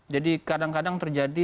jadi kadang kadang terjadi